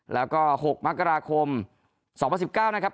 แล้วก็๖มกราคม๒๐๑๙นะครับ